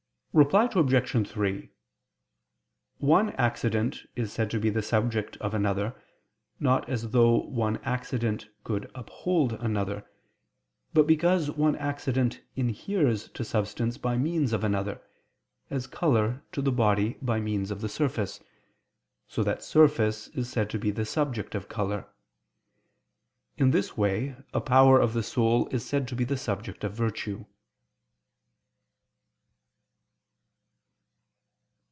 Reply Obj. 3: One accident is said to be the subject of another, not as though one accident could uphold another; but because one accident inheres to substance by means of another, as color to the body by means of the surface; so that surface is said to be the subject of color. In this way a power of the soul is said to be the subject of virtue.